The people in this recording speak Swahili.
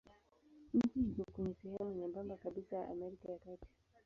Nchi iko kwenye sehemu nyembamba kabisa ya Amerika ya Kati.